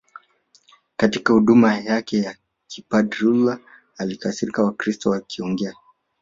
Katika huduma yake ya kipadri Luther alisikia Wakristo wakiongea